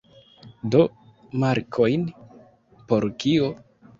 Du markojn? Por kio?